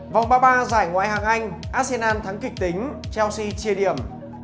vòng ba mươi ba giải ngoại hạng anh arsenal thắng kịch tính chelsea chia điểm